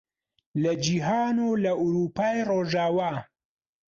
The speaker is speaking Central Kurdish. لە جیهان و لە ئەورووپای ڕۆژاوا